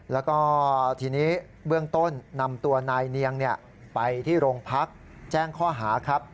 แล้วก็ทีนี้เบื้องต้นนำตัวนายเนียงไปที่โรงพักแจ้งข้อหาครับ